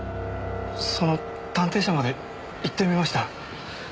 その探偵社まで行ってみました。